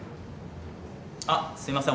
あっすいません